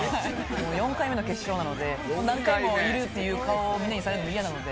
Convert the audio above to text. ４回目の決勝なので、何回もいるっていう顔をみんなにされるの嫌なので。